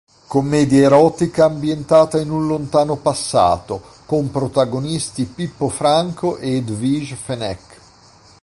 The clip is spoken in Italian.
Commedia erotica ambientata in un lontano passato, con protagonisti Pippo Franco e Edwige Fenech.